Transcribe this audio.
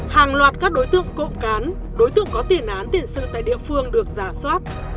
hàng loạt các đối tượng cộng cán đối tượng có tiền án tiền sự tại địa phương được giả soát